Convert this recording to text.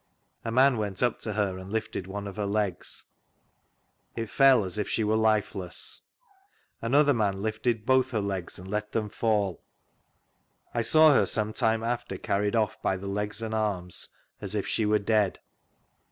A man went up to her and lifted one of her legs ; it flell as if she were lifeless ; another man lifted both her legs and let them fall. I saw her some time after carried off by the l^s and arms as if she were dead.